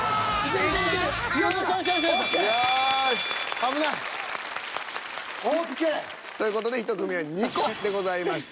危ない。ＯＫ。という事で１組目は２個でございました。